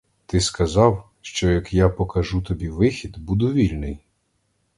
Ти сказав, що як покажу тобі вихід, буду вільний.